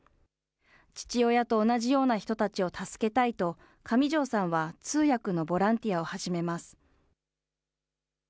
父親と同じような人たちを助けたいと、上條さんは通訳のボランティアを始めます。